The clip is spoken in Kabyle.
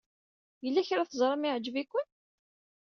Yella kra teẓram yeɛjeb-iken?